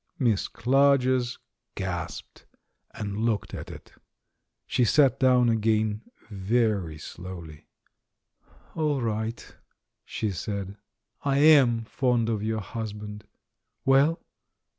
Miss Clarges gasped, and looked at it. She sat down again very slowly. "All right," she said. "I am fond of your husband! Well?"